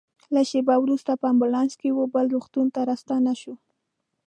لږ شېبه وروسته په امبولانس کې وه بل روغتون ته راستانه شوو.